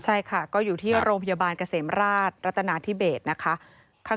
ใช่ค่ะก็อยู่ที่โรงพยาบาลเกษมราชรัตนาธิเบสนะคะ